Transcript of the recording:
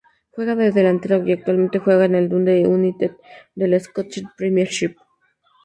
Juega de delantero y actualmente juega en el Dundee United de la Scottish Premiership.